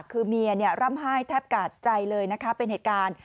คือเมียร่ำไห้แทบกาดใจเลยนะคะเป็นเหตุการณ์